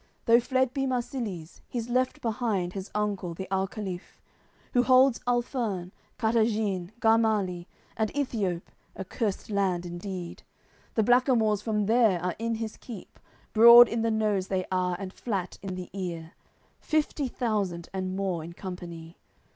Though fled be Marsilies, He's left behind his uncle, the alcaliph Who holds Alferne, Kartagene, Garmalie, And Ethiope, a cursed land indeed; The blackamoors from there are in his keep, Broad in the nose they are and flat in the ear, Fifty thousand and more in company.